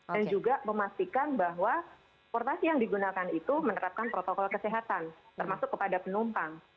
dan juga memastikan bahwa portasi yang digunakan itu menerapkan protokol kesehatan termasuk kepada penumpang